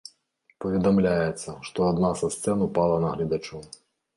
Паведамляецца, што адна са сцэн ўпала на гледачоў.